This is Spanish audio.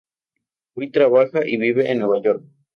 Hoy, trabaja y vive en Nueva York.